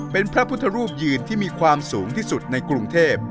เป็นพระพุทธรูปยืนที่มีความสูงที่สุดในกรุงเทพ